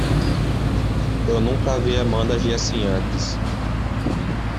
Eu nunca vi Amanda agir assim antes.